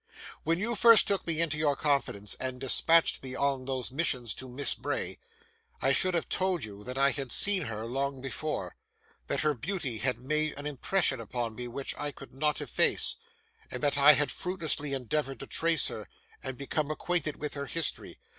When you first took me into your confidence, and dispatched me on those missions to Miss Bray, I should have told you that I had seen her long before; that her beauty had made an impression upon me which I could not efface; and that I had fruitlessly endeavoured to trace her, and become acquainted with her history.